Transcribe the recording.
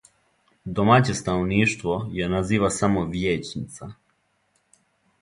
Домаће становништво је назива само "Вијећница".